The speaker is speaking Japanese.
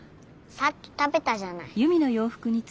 さっき食べたじゃない。